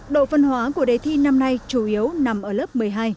độ phân hóa của đề thi năm nay chủ yếu nằm ở lớp một mươi hai